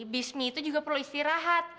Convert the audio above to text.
bismi itu juga perlu istirahat